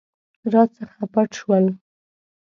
راڅخه پټ شول.